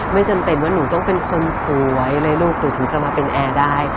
ไม่จำเป็นว่าหนูต้องเป็นคนสวยเลยลูกหนูถึงจะมาเป็นแอร์ได้